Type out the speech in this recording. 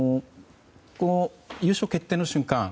優勝決定の瞬間